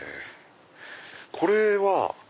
これは。